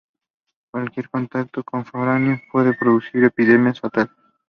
Cualquier contacto con foráneos puede producir epidemias fatales.